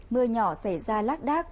mưa nhỏ xảy ra lác đác